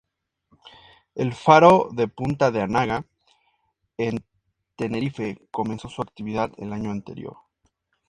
El faro de Punta de Anaga, en Tenerife, comenzó su actividad el año anterior.